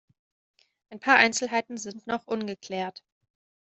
Ein paar Einzelheiten sind noch ungeklärt.